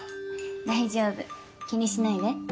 大丈夫気にしないで。